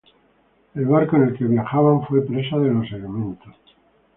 El barco en el que viajaban fue presa de los elementos.